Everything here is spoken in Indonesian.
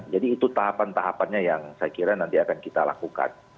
jadi itu tahapan tahapannya yang saya kira nanti akan kita lakukan